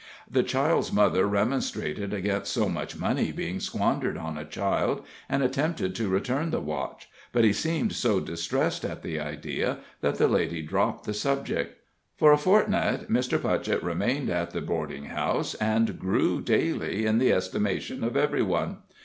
The child's mother remonstrated against so much money being squandered on a child, and attempted to return the watch, but he seemed so distressed at the idea that the lady dropped the subject. For a fortnight, Mr. Putchett remained at the boarding house, and grew daily in the estimation of every one.